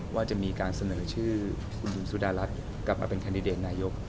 ว่าจะมีการเสนอชื่อคุณหญิงสุดารัฐกลับมาเป็นคันดิเดตนายก